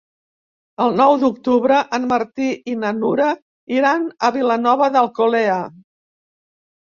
El nou d'octubre en Martí i na Nura iran a Vilanova d'Alcolea.